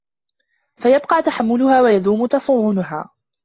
فَيَبْقَى تَحَمُّلُهَا وَيَدُومُ تَصَوُّنُهَا